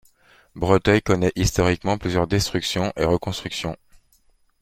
Breteuil connaît historiquement plusieurs destructions et reconstructions.